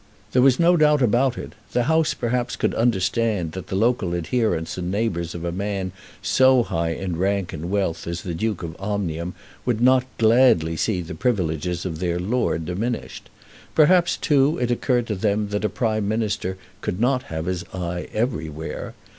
There was no doubt about it. The House perhaps could understand that the local adherents and neighbours of a man so high in rank and wealth as the Duke of Omnium would not gladly see the privileges of their lord diminished. Perhaps, too, it occurred to them that a Prime Minister could not have his eye everywhere.